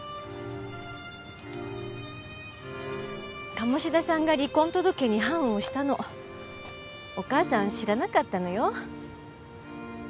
鴨志田さんが離婚届に判を押したのお母さん知らなかったのよ。